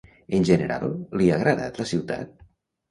En general, li ha agradat la ciutat?